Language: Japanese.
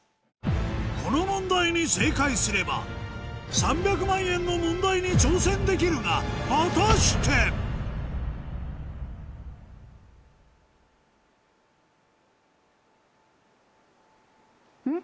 この問題に正解すれば３００万円の問題に挑戦できるが果たして⁉ん？